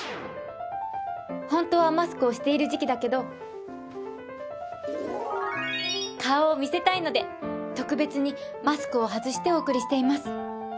ホントはマスクをしている時期だけど顔を見せたいので特別にマスクを外してお送りしています。